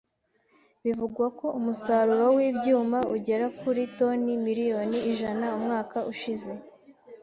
Bivugwa ko umusaruro w’ibyuma ugera kuri toni miliyoni ijana umwaka ushize.